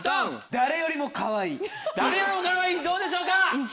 誰よりもかわいいどうでしょうか？